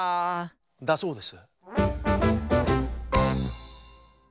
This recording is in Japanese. だそうです。